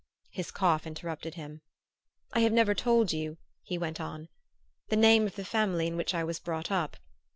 His cough interrupted him. "I have never told you," he went on, "the name of the family in which I was brought up.